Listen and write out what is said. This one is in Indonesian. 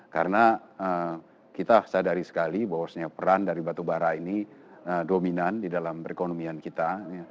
karena kita sadari sekali bahwa peran dari batubara ini dominan di dalam perekonomian kita